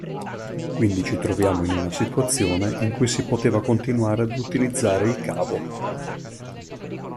Quindi ci trovavamo in una situazione in cui si poteva continuare ad utilizzare il cavo.